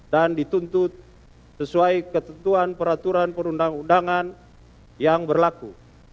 dan dituntut sesuai ketentuan peraturan perundangan yang berlaku